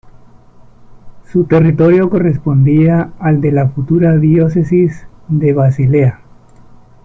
Su territorio correspondía al de la futura diócesis de Basilea.